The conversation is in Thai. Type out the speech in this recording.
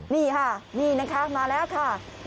นี่ค่ะนี่นะคะมาแล้วค่ะ